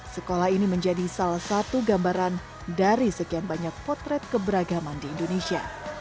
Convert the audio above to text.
sekolah ini menjadi salah satu gambaran dari sekian banyak potret keberagaman di indonesia